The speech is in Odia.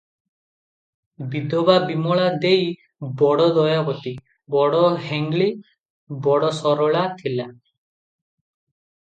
ବିଧବା ବିମଳା ଦେଇ ବଡ଼ ଦୟାବତୀ, ବଡ଼ ହେଙ୍ଗ୍ଳୀ, ବଡ଼ ସରଳା ଥିଲେ ।